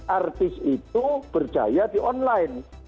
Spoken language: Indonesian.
artis itu berjaya di online